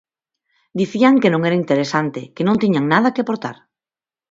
Dicían que non era interesante, que non tiñan nada que aportar.